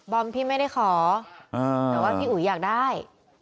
พี่ไม่ได้ขอแต่ว่าพี่อุ๋ยอยากได้